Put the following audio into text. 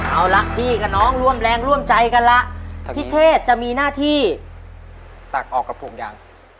เอาละพี่กับน้องร่วมแรงร่วมใจกันละพิเชษจะมีหน้าที่ตักออกกับผมยัง